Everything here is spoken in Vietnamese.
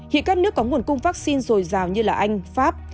hiện các nước có nguồn cung vaccine dồi dào như là anh pháp